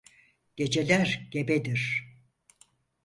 Geceler gebedir.